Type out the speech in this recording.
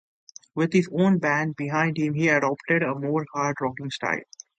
With his own band behind him he adopted a more hard rocking style.